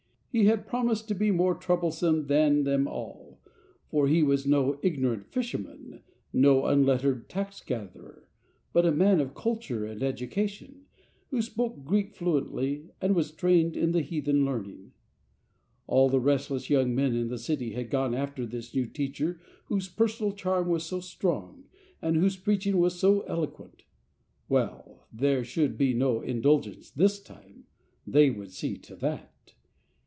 He had promised to be more troublesome than them all, for he was no ignorant fisherman, no unlettered tax gatherer, but a man of culture and education, who spoke Greek fluently, and was trained in the heathen learning. All the restless young men in the city had gone after this new teacher whose personal charm was so strong, and whose preaching was so elo quent. Well, there should be no indulgence this time— they would see to that.